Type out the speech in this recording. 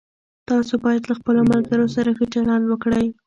تاسو باید له خپلو ملګرو سره ښه چلند وکړئ.